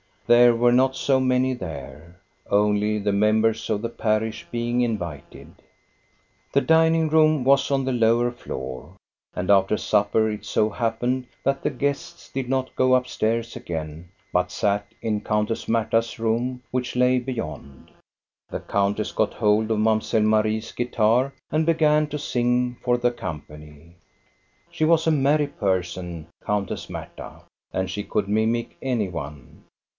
There were not so many there, only the members of the parish being invited. The dining room was on the lower floor, and after supper it so happened that the guests did not go up stairs again, but sat in Countess Marta's room, which lay beyond. The countess got hold of Mamselle Marie's guitar and began to sing for the company. She was a merry person. Countess Marta, and she could mimic any one.